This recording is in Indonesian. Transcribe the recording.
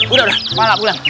udah udah pala pulang